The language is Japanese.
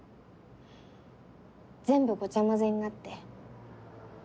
全部ごちゃ混ぜになって。